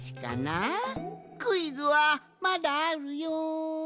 クイズはまだあるよん。